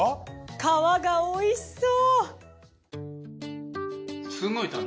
皮が美味しそう。